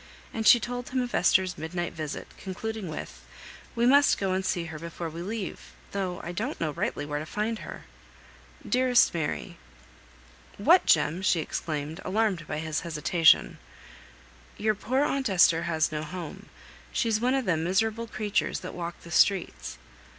And she told him of Esther's midnight visit, concluding with, "We must go and see her before we leave, though I don't rightly know where to find her." "Dearest Mary, " "What, Jem?" exclaimed she, alarmed by his hesitation. "Your poor aunt Esther has no home: she's one of them miserable creatures that walk the streets."